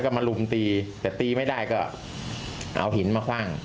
ก็มาลุมตีแต่ตีไม่ได้ก็เอาหินมาคว่าง